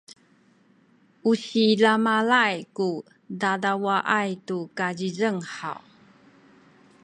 u silamalay ku dadawaay tu kazizeng haw?